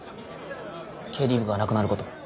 経理部がなくなること。